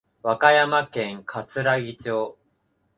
和歌山県かつらぎ町